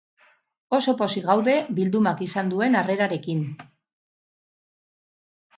Oso pozik gaude bildumak izan duen harrerarekin.